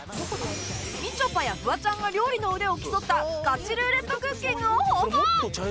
みちょぱやフワちゃんが料理の腕を競ったガチルーレットクッキングを放送！